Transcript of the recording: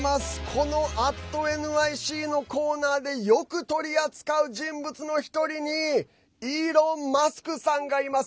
この「＠ｎｙｃ」のコーナーでよく取り扱う人物の１人にイーロン・マスクさんがいます。